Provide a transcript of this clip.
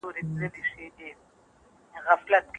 آیا د مسمومیت لپاره کوم ځانګړی او مؤثره درمل شته؟